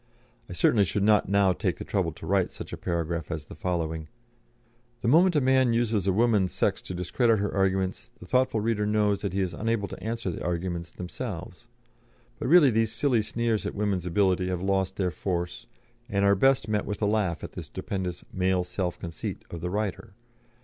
I certainly should not now take the trouble to write such a paragraph as the following: "The moment a man uses a woman's sex to discredit her arguments, the thoughtful reader knows that he is unable to answer the arguments themselves. But really these silly sneers at woman's ability have lost their force, and are best met with a laugh at the stupendous 'male self conceit' of the writer.